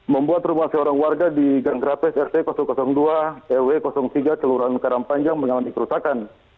membuat rumah seorang warga di gang grapez rt dua ew tiga celurahan karam panjang mengalami kerusakan